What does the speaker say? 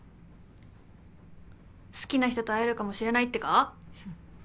好きな人と会えるかもしれないってか！